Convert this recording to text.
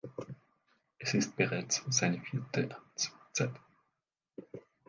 Es ist bereits seine vierte Amtszeit.